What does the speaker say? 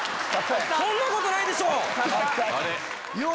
そんなことないでしょ！